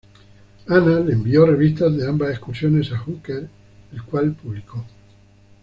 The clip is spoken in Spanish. Anna le envió revistas de ambas excursiones a Hooker, el cual publicó.